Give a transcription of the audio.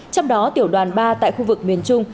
trong đó tiểu đoàn ba tại khu vực miền trung